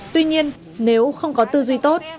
tuy nhiên nếu không có tư duy tốt